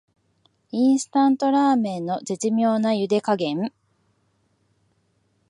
インスタントラーメンの絶妙なゆで加減